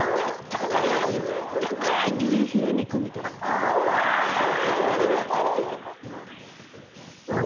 高い牛ヒレ肉みたいな食感がね